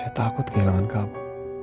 saya takut kehilangan kamu